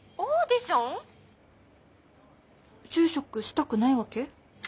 就職したくないわけ？